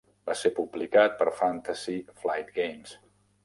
Va ser publicat per Fantasy Flight Games.